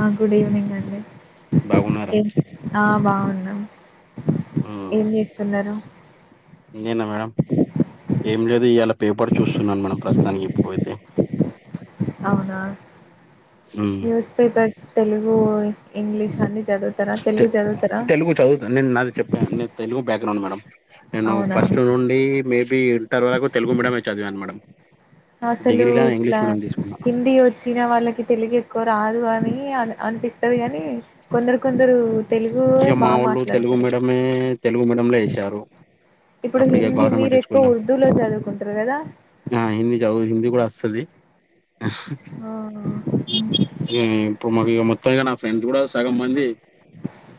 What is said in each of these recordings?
ఆ good evening అండి బాగున్నారా ఏంటి ఆ బావు ఉమ్ ఏం చేస్తున్నారు నేనా మేడం ఏం లేదు ఇయ్యాల పేపర్ చూస్తున్నాను మేడం ప్రస్తుతానికి ఇప్పుడైతే అవునా ఉమ్ న్యూస్ పేపర్ తెలుగు ఇంగ్లీష్ అన్ని తె తెలుగు చదువుతాను నేను నాది చెప్పాను నేను తెలుగు బే మేడం నేను అవునా! ఫస్ట్ నుండీ మేబీ ఇంటర్ వరకు తెలుగు మీడియమే చదివాను మేడం అసలు డిగ్రీలా ఇంగ్లీష్ ఇట్లా మీడియం తీసుకున్నా హిందీ వచ్చిన వాళ్ళకి తెలుగు ఎక్కువ రా కానీ అ అనిపిస్తుది కాని కొందరు కొందరు తెలుగు ఇక యే బా మా వోళ్ళు తెలుగు మాట్లాడతారు మీడియమే తెలుగు మీడియంలో ఏశారు ఇప్పుడు అప్పుడు ఇక హిందీ గవర్నమెంట్ మీరు ఎక్కువ స్కూల్లో ఉర్దూలో చదువుకుంటరు కదా సది ఆ! హ్మ్. ఈ ఎప్పుడు ఇగ మొ పైగా నా ఫ్రెండ్స్ కూడా సగ్గం మంది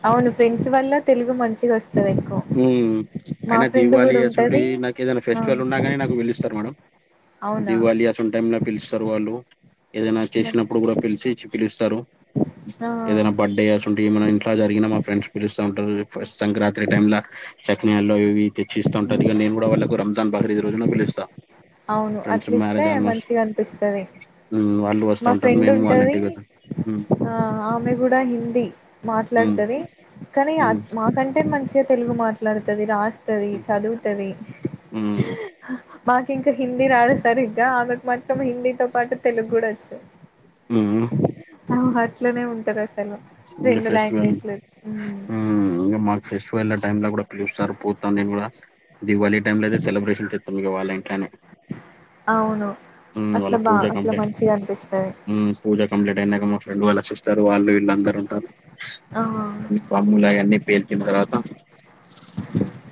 అవును ఫ్రెండ్స్ వల్ల తెలుగు మంచిగా వస్ హ్మ్ అయినా దివాళి గూడా అసువంటి ఉంటది. నాకు ఏదైనా ఆ! ఫెస్టివల్ ఉన్నాగాని నాకు పిలుస్తారు మేడం అవునా దివాళి అసువంటి టైమ్ లో పిలుస్తారు వాళ్ళు ఏదైనా మన్ చేసినప్పుడు కూడా పిలిచి పిలుస్తారు ఆ ఏదైనా బర్త్డే అసువంటి ఉంటే మనం ఇంట్లా జరిగినా మా ఫ్రెండ్స్ పిలుస్తా ఉంటారు ఫస్ట్ సంక్రాంతి టైం లా చెక్కినాళ్ళు అవి ఇవి తెచ్చి ఇస్తాంటారు ఇగ నేను కూడా వాళ్ళకు రంజాన్ బక్రీద్ రోజున పిలుస్తా అవును అట్ల ఇస్తే మంచిగా అనిపిస్తది హ్మ్ వాళ్ళు మా వస్తాంటారు ఫ్రెండ్ మేము వాళ్ళ ఇంటి ఉంటది దెగ్గర హ్మ్ ఆ ఆమె కూడా హిందీ మాట్లాడుతది కానీ మాకంటే మంచి తెలుగు మాట్లాడతది రాస్తది చదువుతది మా ఇంకా హిందీ రాదు సరిగ్గా ఆమెకు మాత్రం హిందీతో పాటు తెలుగు కూడా వచ్చు హ్మ్ అట్లానే ఉంటరా ఇంగ ఫెస్టివల్ హ్మ్ ఆ ఇంగ మా ఫెస్ట్ ఒకవేళ టైం లో కూడా పిలుస్తారు పోతా నేను కూడా దివళీ టైంలో అయితే సెలబ్రేషన్ చేస్తాం ఇగ వాళ్ళ టనే అవును హ్మ్ అట్లా వాళ్ళ బా పూజ అట్లా కంప్లీట్ మంచిగా అనిపిస్తది హ్మ్ పూజ కంప్లీట్ అయినాక ము ఫ్రెండ్ వాళ్ళ సిస్టర్ వాళ్ళు వీళ్ళు అందరు ఉంటారు ఆ బాములు అన్ని పేల్చిన తర్వాత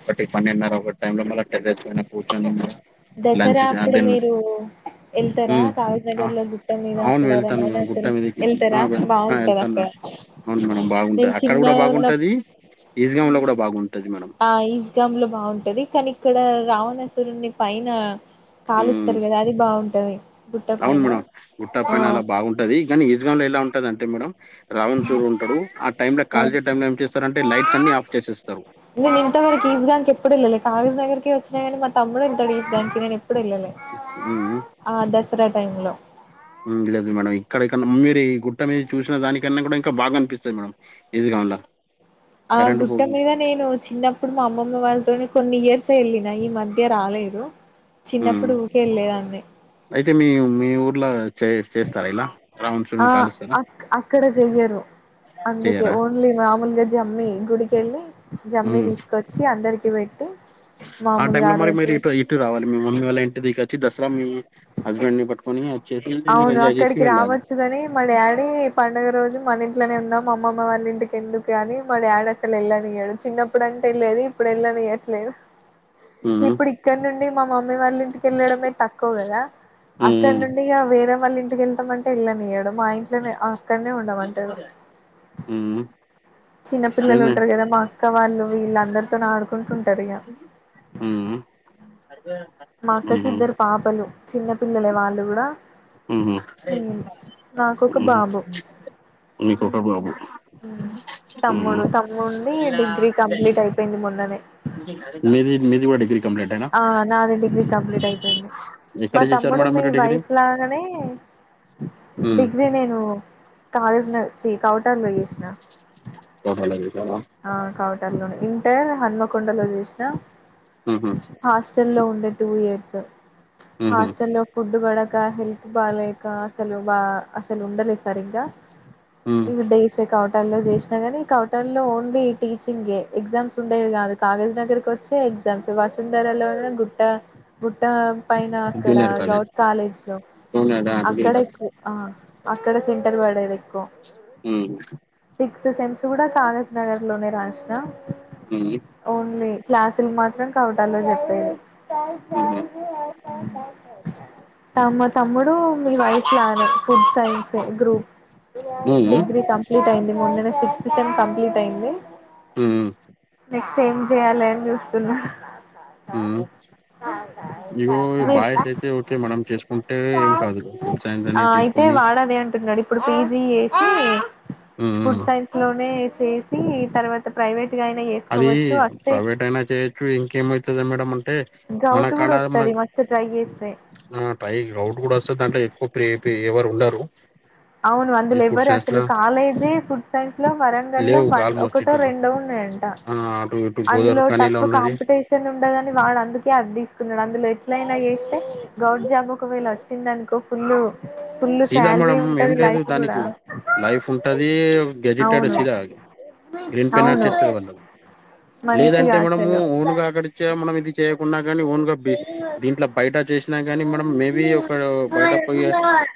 ఒకటి పండేండున్నరా ఒకటి టైం లో మళ్ళ [unintelligible] కూర్చొని ఇంగ దసరా అప్పుడు మీరు వెళ్తారా హ్మ్ కావజ్ ఆ నగర్ లో గుట్ట మీద అవును అక్కడ వెళ్తాను ఆ రవణాసుర గుట్ట మీదకి ఆ వెళ్తారా వె- ఆ బాగుంటది వెళ్తాను అక్కడ మేడం. అవును మేడం నేను బాగుంటది అక్కడ చిన్న కూడా ఉన్నప్ బాగుంటది ఈజ్గాం లో హ్మ్ కూడా బాగుంటది మేడం ఆ ఈస్గామ్ లో బాగుంటది కానీ కూడ రావణాసురుని పైన హ్మ్ కాలుస్తారు కదా అది బాగుంటది గుట్ట అవును పైన మేడం గుట్ట ఆ పైన అలా బాగుంటది కానీ ఈస్గామే ఎలా ఉంటది అంటే మేడం రావణ చూరు ఉంటడు ఆ టైం లో ఆ కాల్చే టైం లో ఏం చేస్తారు అంటే లైట్స్ అన్ని ఆఫ్ చేసేస్తారు నువ్వు ఇంతవరకు ఈస్గామ్ ఎప్పుడు ఏళ్ళలే కాగజ్ నగర్ పోయి వచ్చినా కానీ మా తమ్ముడు వెళ్తాడు దానికి నేను ఎప్పుడు వెళ్ళలే హ్మ్ ఆ దసరా టైంలో హ్మ్ లేదు మేడం ఇక్కడ మీరు గుట్ట మీద చూసిన దానికన్నా కూడా ఇంకా బాగా అనిపిస్తది మేడం ఇదిగా అలా ఆ గుట్ట మీద నేను చిన్నప్పుడు మా అమ్మమ్మ వాళ్ళతోనే కొన్ని ఇయర్స్ వెళ్ళిన ఈ మధ్య రాలేదు చిన్నప్పుడు ఊకే వెళ్లేదాన్ని తే మీ మీ ఊర్లో చే చేస్తారా ఇలా ఆ రావణాసురుడిని కాలుస్తారా? అక్ అక్కడ చెయ్యరు అందుకే చెయ్యరా? ఓన్లీ రాములగాజ అమ్మి గుడి కెళ్ళి జమ్మి హ్మ్. తీసుకొచ్చి అందరికి పెట్టి ఆ టైం మామూలుగా లో మరి మీరు రోజు ఇటు ఇటు రావాలి మీ మమ్మీ వాళ్ళ ఇంటి దగ్గర్ తి దసరా మీ హస్బెండ్ ని పట్టుకొని వచ్చేసి మీరు అవును ఎంజాయ్ చేసి అక్కడికి వెళ్ళాలి. రావచ్చు కాని మా డాడీ పండుగ రోజు మన ఇంట్లోనే ఉందాం మామ్మమ్మ వాల్ల ఇంటికి ఎందుకుగాని మా డాడ అక్కడ వెళ్ళనియ్యాడు చిన్నప్పుడు అంటే వెళ్ళేది ఇప్పుడు ఏళ్ళనియ్వట్లేదు [inaudible] హ్మ్. ఇప్పుడు ఇక్కడ నుండి మా మమ్మీ వాళ్ళ ఇంటికి వెళ్ళడమే తక్కువ కదా అక్కడ హ్మ్. నుం ఇగ వేరేళ్ళ ఇంటికి వెళ్తాం అంటే వెళ్ళనియడు మా ఇంట్లనే ఆకన్నే ఉండమంటడు హ్మ్. చిన్న పపిల్లలు ఏంది? ఉంటారు కదా మా అక్క వాళ్ళు వీళ్ళ అందరితో ఆడుకుంటుంటారు ఇగ ఉమ్ మా అక్కకి ఇద్దరు పాపలు చిన్న పిల్లలే వాళ్ళు కూడా హుహు. ఉమ్ నాకొక హుహు. బాబు మీకొక బాబు. ఉమ్ హ్మ్. తమ్ముడు తమ్ముంది డిగ్రీ కంప్లీట్ అయిపోయింది మ మిది మీది డిగ్రీ కంపలీటెన మీ కంప్లీట్ అయిపోయింది మా తమ్ముడు మేడం మీ మీరు డిగ్రీ? వైఫ్ లాగానే హ్మ్. డిగ్రీ నేను కాలేజిన చి కోటలో చేసిన ఆ [inaudible] ఇంటర్ హన్మకొండలో చేసిన ఉహు హాస్ట లో ఉండే టూ ఇయర్స్ మ్మ్హ్ హాస్ట లో ఫుడ్ ఫుడ్ పడక హెల్త్ బాలేక అసలు బా అసలు ఉండలే సరిగా మ్మ్ ఇంగ డేస్ ఏ కావో టలో చేసినా గని కౌటల్లో ఓన్లీ టీచింగ్ ఎగ్జామ్స్ ఉండేవి కాదు కాగజ్ నగర్ కు వచ్చే ఎగ్జాంస్ వాసుంధరలోనే గుట్ట గుట్ట పైన అక్కడ గౌట్ కాలేజ్ లో జూనియర్ ఆ డిగ్రీ అక్కడే కాలేజ్ ఎక్కువ ఆ అక్కడ సెంటర్ పడేది ఎక్కువ ఉమ్ క్స్ సెమ్స్ కూడా కాగజ్ నగర్ లోనే రాసిన మ్మ్ ఓన్లీ క్లాసులు మాత్రం కౌటాల్లో చెప్పేది మ్మ్హ్ తమ తమ్ముడు మీ వయసులో అనే ఫుడ్ సైన్స్ గ్రూప్ మ్మ్ డిగ్రీ కంప్లీట్ అయింది మొనన్నే సిక్స్త్ సేమ్ కంప్లీట్ అయింది మ్మ్ నెక్స్ట్ ఏం చేయాలె అని చూస్తున్నా ఉమ్ అ ఇగో బాయస్ అయితే ఒకే మేడం చేసుకుంటే ఏం కాదు ఫుడ్ సైన్స్ అని తీసుకొని అదే అంటున్న ఇప్పుడు పీజి చేసి మ్మ్ ఫుడ్ సైన్స్ లోనే చేసి తర్వాత ప్రైవేట్ గా అయినా అది చేసుకోవచ్చు వస్తే ప్రైవేట్ అయినా చేయొచ్చు ఇంకేమవుతుంది మేడ అంటే గౌట్ కూడా ఓస్తది మస్తు ట్రై చేసి ఆ పై రౌడ్ కూడా వస్తది దాంట్లో ఎక్కువ ఎవరు ఉండరు అవును ఈ అందులు ఫుడ్ ఎవరు సైన్స్ అసలు లా కాలేజీ ఫుడ్ సైన్స్ లో వరంగల్ లో లేవు ఆల్మోస్ట్ ఒకటో ఇటు రెండోన్నాయట్ ఆ అటు ఇటు అందులో గోదావరి ఖనిలో టఫ్ ఉన్నది కాంపిటీషన్ ఉండదని వాడు అందుకే అది తీసుకున్నడు అందులో లైనా చేస్తే గౌట్ జాబ్ ఒకవేళ వచ్చిందనుకో ఫుల్ ఫుల్ సాల్రీ సీతామడం ఏం లేదు దానికి లైఫ్ ఉంటది గజిటెడ్ అవును సిద గ్రీన్ పెన్ అవును ఆచేస్తది వాళ్ళకు లేదంటే మంచిగా మేడము అసలు ఓన్గా అక్కడిచ్చ మనం ఇది చేయకుండా కాని ఓన్గా దీంట్ల బయట చేసినా కానీ మనం మేబీ ఒక బయట పోయి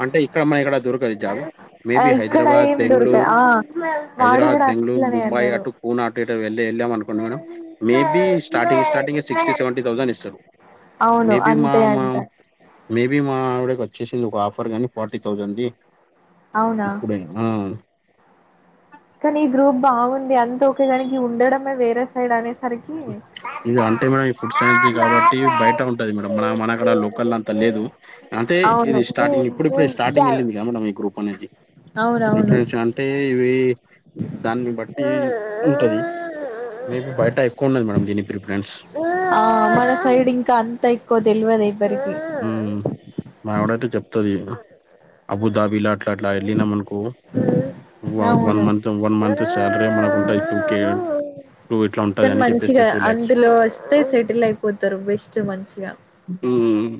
అంటే ఇక్కడ అమ్మాయి అక్కడ [unintelligible] ఆ మేబి ఇక్కడ హైదరాబాద్ ఏం దొరకదు బెంగళూరు ఆ వాడు హైదరాబాద్ కూడా బెంగళూరు అట్లనే ముంబై అన్నాడు అటు పూ నార్త్ ఎటో వెళ్ళి వెళ్ళామనుకోండి మేడం మేబీ స్టార్టింగ్ స్టార్టింగే సిక్స్టీ సెవెంటీ థౌసండ్ ఇస్తారు అవును మేబి మా అంతే మా అంట మేబీ మా ఆవిడకి వచ్చేసింది ఒక ఆఫర్ కానీ ఫార్టీ థౌసండ్ది అవునా ఇప్పుడే ఆ కానీ ఈ గ్రూప్ బాగుంది అంత ఓకే గానికి ఉండడమే వేరే సైడ్ అనే ఇది అంటే మేడం ఫుడ్ సైన్స్ది కాబట్టి బయట ఉంటది మేడం మన మనడ లోకల్ లో అంత లేదు అంటే అవును ఇది స్టార్టింగ్ ఇప్పుడిప్పుడే స్టార్టింగ్ వెళ్ళింది గా మేడం మీ గ్రూప్ అనేది ఎప్పుడు అవునవును నుంచి అంటే ఇవి దాన్ని బట్టి ఉంటది మేబీ బయట అయిపో ఆ మన సైడ్ ఇంకా అంతా ఎక్కువ తెల్వదు ఎవ్వరికీ హ్మ్ మా ఆవిడయితే చెప్తుది అబుదాబి లా అట్లాట్లా వెళ్ళినమనుకో వన్ అవును మంత్ వన్ మంత్ శాలరీ మనకు ఉంటాయి టూ కే టూ ఇట్లా ఉంటది కానీ అని చెప్పేస్తే మంచిగా టూ ల్యాక్స్ అందులో వస్తే సెటిల్ అయిపోతారు బెస్ట్ మంచిగా హ్మ్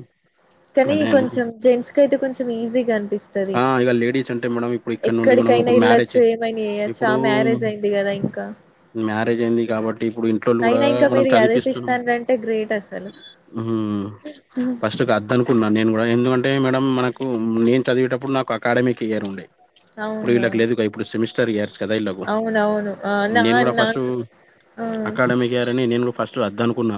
కానీ అదే అండి కొంచెం జెంట్స్ కి అయితే కొంచెం ఈజీ ఇస్తది ఆ ఇక లేడీస్ అంటే మేడం ఇప్పుడు ఇక్కడ నుండి మనం ఎక్కడికైనా ఒక ఎల్లొచ్చు మ్యారేజ్ ఏమైనా చేయొచ్చు ఆ ఇప్పుడు మ్యారేజ్ అయింది కదా ఇంకా మ్యారేజ్ అయింది కాబట్టి ఇప్పుడు ఇంట్లోళు కూడా అయినా ఇంకా మనం మీరు చదివిపిస్తున్నాం చదిపిస్తానంటే గ్రేట్ అసలు హ్మ్ ఫస్ట్ [unintelligible] కున్నాను నేను కూడా ఎందుకంటే మేడం మనకు నేను చదివేటప్పుడు నాకు అకాడమిక్ ఇయర్ ఉండే ఇప్పుడు అవునా వీళ్ళకి లేదుగా ఇప్పుడు సెమిస్టర్ ఇయర్స్ కదా వీళ్ళకు అవునవును ఆ నా నేను కూడా ఫస్టు నాకు ఆ అకాడమిక్ ఇయరని నేను ఫస్ట్ వద్దు అనుకున్నా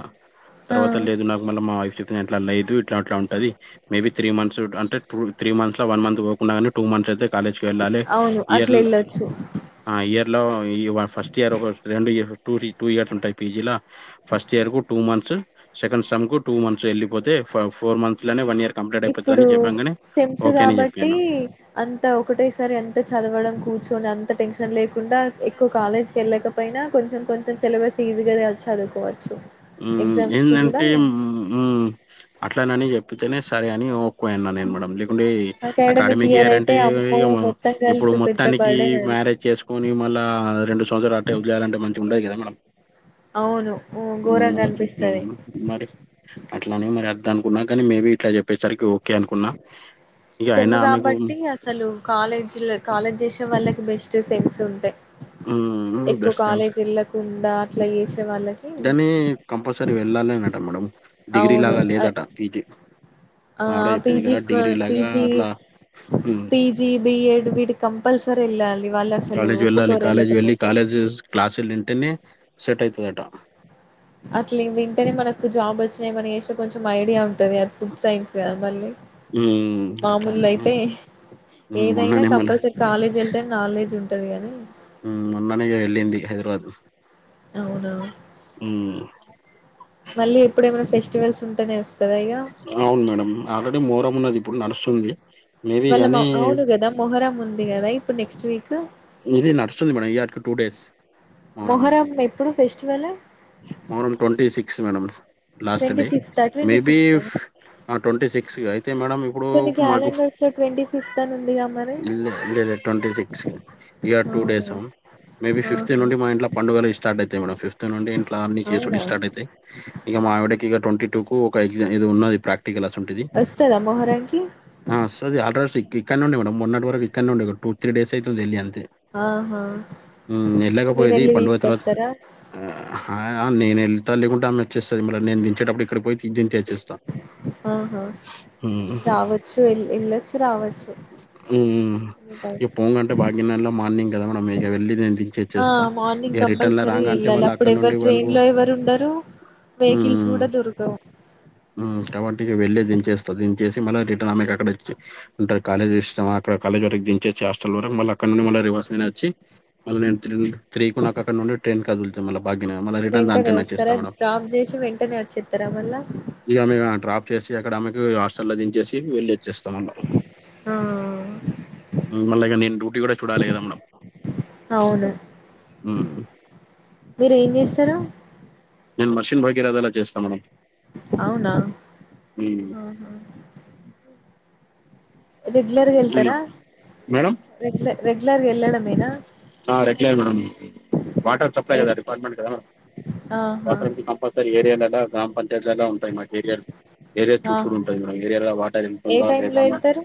ఆ తర్వాత లేదు నాకు మళ్ళీ మా వైఫ్ చె అట్లా లేదు ఇట్లా అట్లా ఉంటది మేబి త్రీ మంత్స్ అంటే two three months one month పోకుండాగానే టూ మంత్స్ అయితే కాలేజ్కి వెళ్ళాలి అవును ఇయర్ అట్లా ఎళ్ళొచ్చు ఆ ఇయర్ లో ఈ ఫస్ట్ ఇయర్ ఒక రెండు ఇయ టూ టూ ఇయర్స్ ఉంటాయి పిజీ లో ఫస్ట్ ఇయర్ కు టూ మంత్స్ సెకండ్ సెమ్ కు టూ మంత్స్ వెళ్ళిపోతే ఫో ఫోర్ మంత్స్ లోనే వన్ ఇయర్ కంప్లీట్ అయిపోతుందని ఇప్పుడు చెప్పంగానే సెమ్స్ ఓకే అని కాబట్టి చెప్పాను. అంత ఒకటో సారి అంత చదవడం కూర్చొని అంత టెన్షన్ లే కాకుండా ఎక్కువ కాలేజ్కి వెళ్ళకపోయినా కొంచెం కొంచెం సిలబస్ ఈజీగా చదువుకోవాలి హ్మ్ ఏందంటే మ్మ్ మ్మ్ అట్లానని చెప్ అయితే సరే అని ఓకే అన్నా నేను కూడా మేడం అకాడమిక్ ఇయర్ అయితే అంటే అమ్మో మొత్తం ఇప్పుడు కలిపి పెద్ద మొత్తానికి బర్డెన్ అది మ్యారేజ్ చేసుకని మ అలా రెండు సంవత్సరాలు అటే వదిలేయాలంటే మంచి ఉండయి కదా మేడం అవును ఓ ఘోరంగా మళ్ళ అనిపిస్తది చూడాలన్న మరి అట్లానే మరి వద్ద నుకున్నా కానీ మేబీ ఇట్లా చెప్పేసరికి ఓ సెమ్ కాబట్టి అసలు కాలేజీ లో కాలేజ్ చేసేవాళ్ళకి బెస్ట్ సెన్స్ ఉంటాయి హ్మ్ ఎక్కువ బెస్ట్ంస్ కాలేజ్ వెళ్ళకుండా అట్లా చేసే వాళ్ళకి దనీ కంపల్సరీ వెళ్ళాలేనట మేడం డిగ్రీ అవును లాగా లేదట పీజీ ఆ మాఆవిడ చెప్పింది పీజీ కదా డిగ్రీ లాగా పీజీ అట్లా హ్మ్ వీటికి కంపల్సరీ వెళ్ళాలి వాళ్ళు అసలు కాలేజ్ వెళ్ళాలి ఒప్పుకోరు కాలేజీ వెళ్ళి వెళ్ళకపోతే కాలేజీ క్లాసులు వింటేనే సెట్ అయితదట అట్లా వింటెనే మనకు జాబ్ వచ్చినాయి మన చేసే కొంచెం ఐడియా ఉంటది అది ఫుడ్ సైన్స్ గా మళ్ళీ హ్మ్ అట్లా మామూల్ అంటేనే అయితే హ్మ్. ఏదైన మొన్ననే మళ్ళ కంపల్సరీ కాలేజ్ వెళ్తే నాలేజ్ ఉంటది గానీ ఉ మోన్ననేగా వెళ్ళింది హైదరాబాద్ అవునా హ్మ్ మళ్ళీ ఎప్పుడేమైనా ఫెస్టివల్స్ ఉంటేనే వస్త అవున్ మేడం ఆల్రెడీ మోరం ఉన్నది ఇప్పుడు నడుస్తుంది మేబీ వాళ్ళ గానీ అవును కదా మొహరం ఉంది కదా ఇప్పుడు నెక్స్ట్ వీక్ ఇది నడుస్తుంది మేడం ఈయటికి టూ డేస్ మొహరంది మొహరం ఎప్పుడు festival Muharram twenty six last twenty day ఫిఫ్తా మేడం మే ట్వంటీ బి సిక్స్తా ఆ ట్వంటీ సిక్స్ ఇగ అయితే మేడం ఇప్పుడు కొన్ని మాకు క్యాలెండర్స్ లో ట్వంటీ ఫిఫ్త్ అని ఉందిగా మరి ట్వంటి సిక్స్ ఇగ టూ అవునా డేస్ మేబీ ఫిఫ్టీ ఆహా నుండి మా ఇంట్లో పండుగలు స్టార్ట్ అయితయి మే ఫఫ్త్ నుం ఇట్ల అన్ని చేసుడి అవునా స్టార్ట్ అయితాయి ఇగ మా ఆవిడకి ఇక ట్వంటీ టూకు ఒక ఇది ఉన్నది ప్రాక్ టి గలాస్ ఉంటుది వస్తదా మొహరంకి ఆ వస్తది ఆడ ఇక్క నుండి మేడం మొన్నటి వర ఇక్క ఉండ టూ త్రీ డేస్ అయితుందిళ్ళ అంది ఆహా తె ఎళ్లేకపోయేది మీరెళ్ళి పండుగ తర్వాత తీసుకొస్తారా ఆ, ఆ నేను వెళ్తా లేకుంటే అన్న వచ్చేస్తుంది మళ్రి నేనుచేప్పు ఇక్కడ పోయి దించేచ్చు ఆహ రావచ్చు వెల్ వెళ్ళొచ్చు రావచ్చు ఎనీ ఉ టైమ్స్ పోంగంటే భాగ్యనరలో మార్నింగ్ కదా మేడం మీక వెళ్ళంది ఆ మార్నింగ్ కంపల్సరీ వెళ్ళాలి మళ్ళీ అప్పుడు అక్కడ ఎవరు నుండి వాళ్ళు ట్రైన్ లో ఎవరు ఉండరు వెహికిల్స్ కూడా దొరకవు ఉ కాబట్టి ఇగ వెళ్ళి దించేస్తా దించేసి మళ్ళ రిటర్న్ అమ్మక అక్కడ వచ్చ అంటారు కాలేజ్ ఇష్టమా అక్కడ కాలేజ్ వరకు దించే హాస్టల్ర మళ్ళ అక్కడ నుండి రివార్స్ వచ్చి అల నేన్ త్రీ నాకు అక్క నుండి ట్రైన్ కదుల్తా మళ్ళ వెంటనే వస్తరా డ్రాప్ చేసి వెంటనే వచ్చెస్తరా మళ్ళా ఇక మేము డ్రాప్ చేసి అక్కడ ఆమెకి హాస్టల్ లో దించేసి వెళ్లి వచ్చేస్తాము ఆ మళ్లా నేన్ డ్యూటీ కూడ చూడాలి కదా మేడం అవున హ్మ్. మీరు ఏం చేస్తరు నేను మర్షిన్ భగీరాథలా చేస్తా మేడం అవున హ్మ్. రెగ్యులర్గా వెళ్తరా ఇలా మేడం రగ్యల రెగ్యులర్గా వెళ్ళడమేనా ఆ రెగ్యులర్ మేడం వాటర్ సప్లై ఏ కదా డిపార్ట్మెంట్ కదా ఆహా వాటర్ అ కంపల్సరీ ఏరియా పంటేట్లా ఉంటాయి మా కెరియర్ ఏరియా ఆహా చూసుకొని ఉంటుంది మనం ఏరియాలో వాటర్ ఏ ఎంటుందా టైమ్ లో లేదాన్న వెళ్తారు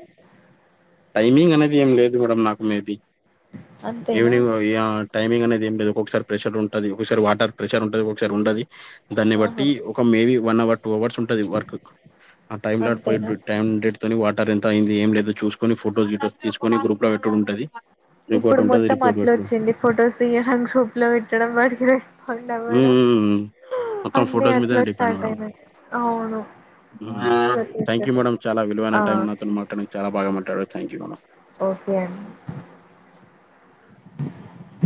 టైమింగ్ అనేది ఏం లేదు మేడం నాకు మే బి అంతేనా ఈవినింగ్ టైమింగ్ అనేది ఏమి లేదు ఒక్కొక్కసారి ప్రెషర్ ఉంటుది ఒకసారి వాటర్ ప్రెషర్ ఉంటది ఒకసారి ఉంటది దాన్ని ఆహా బట్టి ఒక maybe one hour two hours ఉంటది వర్క్ ఆ టైమ్ లో అంతేనా [unintelligible] వాటర్ ఎంత అయింది ఏం లేదు చూసుకొని ఫొటోస్ గిటోస్ తీసుకొని గ్రూప్ లో పెట్టడుంటది ర ఇప్పుడు మొత్తం అట్ల వచ్చింది ఫొటోస్ తీయడం గ్రూప్ లో పెట్టడం వాడికి రెస్పాండ్ మ్మ్, అవ్వడం మ్మ్, మ్మ్. మొత్తం అన్ని ఫొటోస్ అట్ల మీదనే డిపెండ్ స్టార్ట్ మేడం అయినయి అవును ప్రతి థ్యాంక్ యూ ఒక్కటి మేడం చాలా విలువైన ఆ టైం నాతోని మాట్లానికి చాల బాగా మాట్లాడరు థ్యాంక్ యూ మేడం ఓకే అండి